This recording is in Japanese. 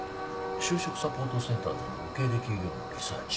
就職サポートセンターでの受け入れ企業のリサーチ